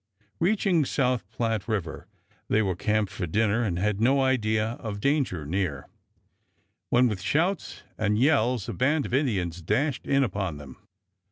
Reaching South Platte River they were camped for dinner, and had no idea of danger near, when, with shouts and yells, a band of Indians dashed in upon them.